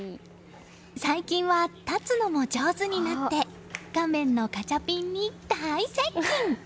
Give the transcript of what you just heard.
最近は立つのも上手になって画面のガチャピンに大接近！